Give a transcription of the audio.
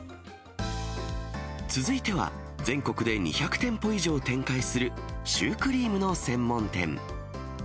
続いては、全国で２００店舗以上展開するシュークリームの専門店。